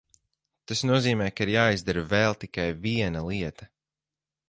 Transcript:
Tas nozīmē, ka ir jāizdara vēl tikai viena lieta.